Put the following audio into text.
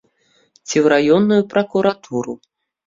Ці ў раённую пракуратуру.